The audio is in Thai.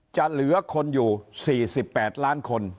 จะเหลือคนอยู่๔๘ล้านคน